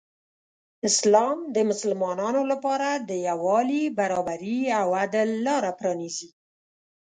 اسلام د مسلمانانو لپاره د یو والي، برابري او عدل لاره پرانیزي.